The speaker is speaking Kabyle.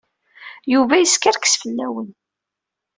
Yuba yeskerkes fell-awen.